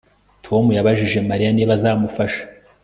Tom yabajije Mariya niba azamufasha